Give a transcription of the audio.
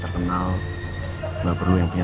terkenal nggak perlu yang dia